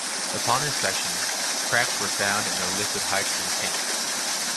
Upon inspection, cracks were found in the liquid hydrogen tank.